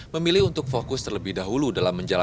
memilih untuk fokus terlebih dahulu dalam menjalankan